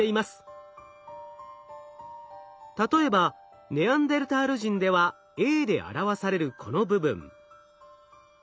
例えばネアンデルタール人では「Ａ」で表されるこの部分。